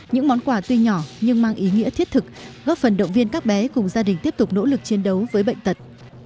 những món quà tuy nhỏ nhưng mang ý nghĩa thiết thực góp phần động viên các bé cùng gia đình tiếp tục nỗ lực chiến đấu với bệnh tật